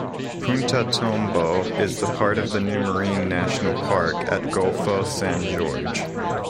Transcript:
Punta Tombo is part of the new marine national park at Golfo San Jorge.